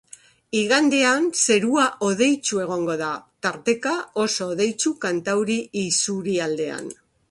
Igandean, zerua hodeitsu egongo da, tarteka oso hodeitsu kantauri isurialdean.